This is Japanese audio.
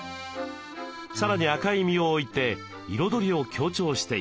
さらに赤い実を置いて彩りを強調しています。